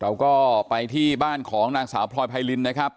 เราก็ไปที่บ้านของนางสาวพลอยไพรินนะครับ